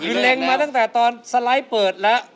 คือเล็งมาตั้งแต่ตอนสไลด์เปิดแล้ว